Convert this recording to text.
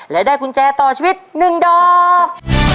และได้กุญแจต่อชีวิต๑ดอก